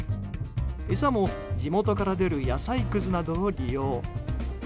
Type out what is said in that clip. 餌も地元から出る野菜くずなどを利用。